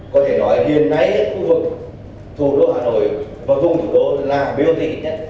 có thể nói hiện nay khu vực thủ đô hà nội và khu vực thủ đô là bot kết nhất